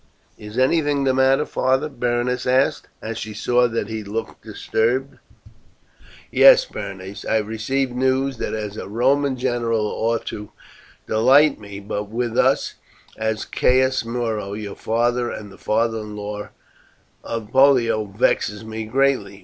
"Is anything the matter, father?" Berenice asked, as she saw that he looked disturbed. "Yes, Berenice, I have received news that as a Roman general ought to delight me, but which, as Caius Muro, your father and the father in law of Pollio, vexes me greatly."